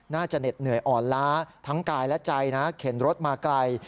เหน็ดเหนื่อยอ่อนล้าทั้งกายและใจนะเข็นรถมาไกล